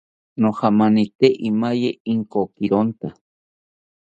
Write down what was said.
Nojamanite imaye inkokironta